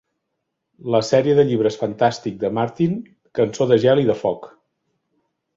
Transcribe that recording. La sèrie de llibres fantàstics de Martin "Cançó de gel i de foc".